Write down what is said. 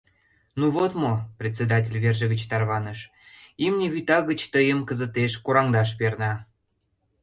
Ну вот мо, — председатель верже гыч тарваныш, — имне вӱта гыч тыйым кызытеш кораҥдаш перна.